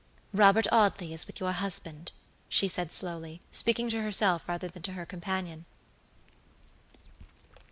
"Robert Audley is with your husband," she said, slowly, speaking to herself rather than to her companion.